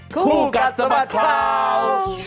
คู่กับสมัครข่าว